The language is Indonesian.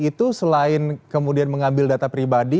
itu selain kemudian mengambil data pribadi